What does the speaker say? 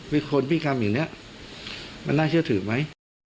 คนพิกรรมอย่างนี้มันน่าเชื่อถือไหม